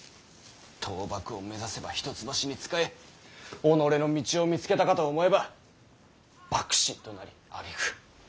倒幕を目指せば一橋に仕え己の道を見つけたかと思えば幕臣となりあげく